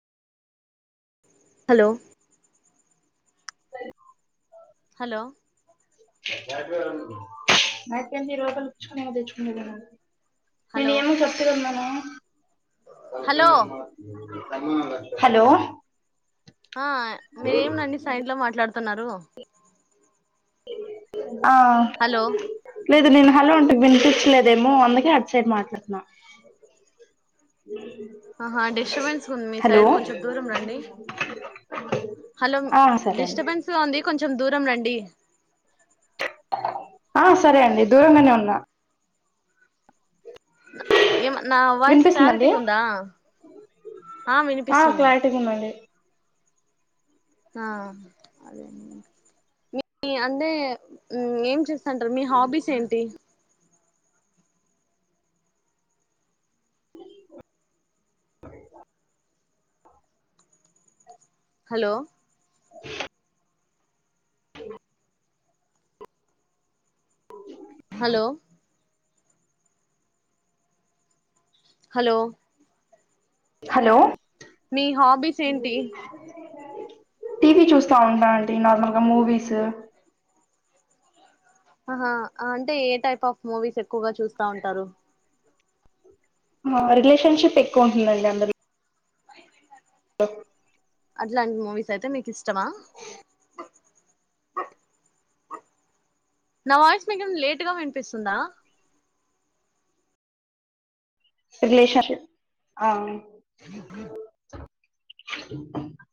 hello hello అయితేంది లోూపయలు పచ్చుకొనిమో తెచ్చుకుంటదడి నేను హలో ఏమ చెప్తదమ్న్నానా సక హలో మ [unintelligible] హలో ఆ మీరేంనండి సైంట్లో మాట్లాడుత చెప్స్తున్నారు అ ఆ హలో లేదు నేను హలో ఉంటు విపి లేదేమో అందుకే అటుైడ్ మాట్లాడుతున్నా ఆహా డిస్టర్బెన్స్ ఉంది మీ హలో సైడ్ కొంచెం దూరం రండి హలో ఆ సరే అండి డిస్టర్బెన్స్ గా ఉంది కొంచెం దూరం రండి ఆ సరే అండి దూరంగానే ఉన్నా ఏమ నా వాయిస్ వినిపిస్తుందండి క్లారిటీ ఉందా ఆ వినిపిస్తుంది క్లారిటీగా ఉందండి ఆ అదేండి మీ అంటే ఏం చేస్త అంటారు మీ హాబీస్ ఏంటి హలో హలో హలో హలో మీ హాబీస్ ఏంటి టీవీ చూస్తా ఉంటా అండి నార్మల్గా మూవీస్ ఆహా అంటే ఏ టైప్ ఆఫ్ మూవీస్ ఎక్కువగా చూస్తా ఉంటారు రిలేషన్షిప్ ఎక్కువ ఉంటుందండి అందరు స అట్లాంటి మూవీస్ అయితే మీకు ఇష్టమా నా వాయిస్ మికైమాన లేటుగా వినిపిస్తుందా రిలేషన్షిప్ ఆ